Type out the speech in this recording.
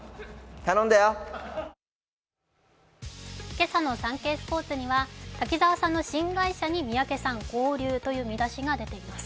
今朝の「サンケイスポーツ」には、滝沢さんの新会社に三宅さん合流と見出しが出ています。